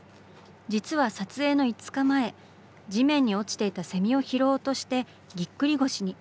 実は撮影の５日前地面に落ちていたセミを拾おうとしてギックリ腰に。